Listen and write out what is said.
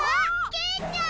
ケイちゃん！